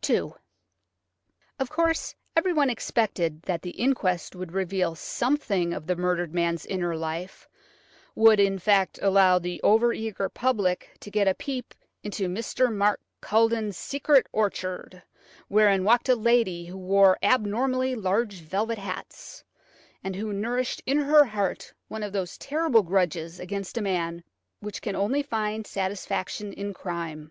2 OF course, everyone expected that the inquest would reveal something of the murdered man's inner life–would, in fact, allow the over eager public to get a peep into Mr. Mark Culledon's secret orchard, wherein walked a lady who wore abnormally large velvet hats, and who nourished in her heart one of those terrible grudges against a man which can only find satisfaction in crime.